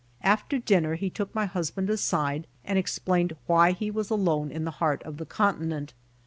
After dinner he took ray husband aside and explained why he was alone in the heart of the continent.